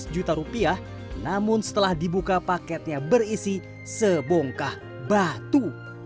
lima belas juta rupiah namun setelah dibuka paketnya berisi sebongkah batu